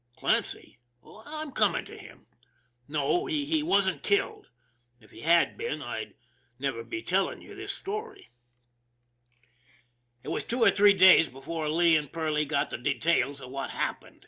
Clancy? I'm coming to him. No, he wasn't killed if he had been I'd never be telling you this story. 248 ON THE IRON AT BIG CLOUD It was two or three days before Lee and Perley got the details of what happened.